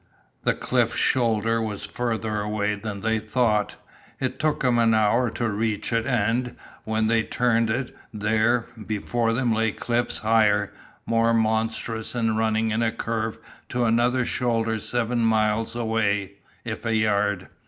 The cliff shoulder was further away than they thought; it took them an hour to reach it and, when they turned it, there, before them lay cliffs higher, more monstrous and running in a curve to another shoulder seven miles away, if a yard.